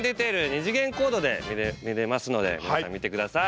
２次元コードで見れますので皆さん見て下さい。